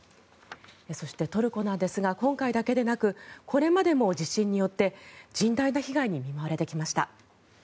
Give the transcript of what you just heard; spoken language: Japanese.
そして、トルコなんですが今回だけでなくこれまでも地震によって甚大な被害に見舞われてきました。